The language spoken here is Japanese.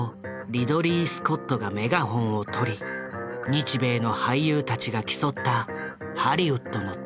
リドリー・スコットがメガホンを取り日米の俳優たちが競ったハリウッドの大作。